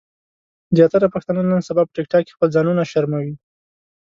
زياتره پښتانۀ نن سبا په ټک ټاک کې خپل ځانونه شرموي